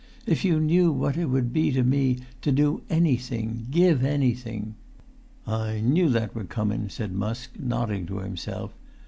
If you knew what it would be to me to do anything—give anything——" "I knew that were comun," said Musk, nodding to himself